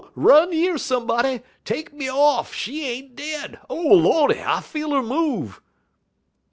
Run yer somebody! Take me off! She ain't dead! O Lordy! I feel 'er move!'